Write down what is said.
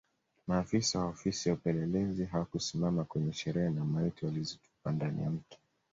Maafisa wa Ofisi ya Upelelezi hawakusimama kwenye sherehe na maiti walizitupa ndani ya Mto